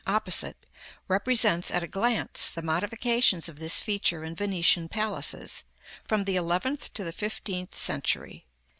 opposite, represents, at a glance, the modifications of this feature in Venetian palaces, from the eleventh to the fifteenth century.